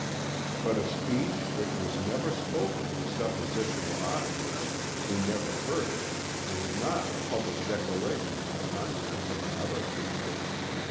But a speech which was never spoken to suppositional auditors who never heard it, is not a public declaration of the contents of another paper.